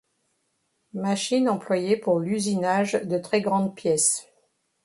Machine employée pour l’usinage de très grandes pièces.